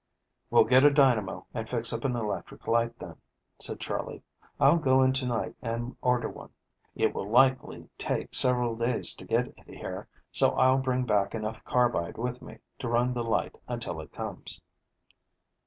"We'll get a dynamo and fix up an electric light, then," said Charley. "I'll go in to night and order one. It will likely take several days to get it here, so I'll bring back enough carbide with me to run the light until it comes."